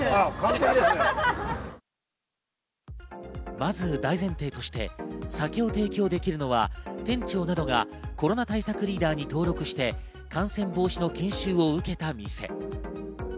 まず大前提として酒を提供できるのは店長などがコロナ対策リーダーに登録して感染防止の研修を受けた店。